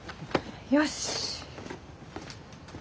よし！